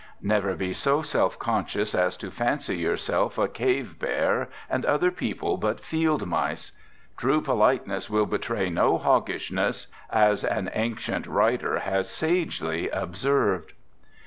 Never be so self conscious as to fancy yourself a cave bear and other people but field mice. "True politeness will betray no hoggishness," as an ancient writer has sagely observed.